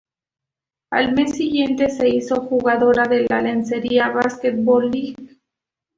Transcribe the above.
Al mes siguiente se hizo jugadora de la Lencería Basketball League.